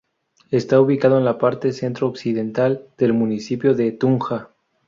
Está ubicada en la parte centro occidental del municipio de Tunja.